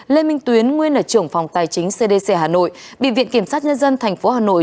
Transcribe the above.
lê minh tuyến nguyên là trưởng phòng tài chính cdc hà nội bị viện kiểm sát nhân dân tp hà nội